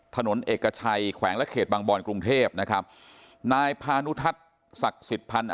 ถนนเอกชัยแขวงและเขตบางบอนกรุงเทพนะครับนายพานุทัศน์ศักดิ์สิทธิพันธ์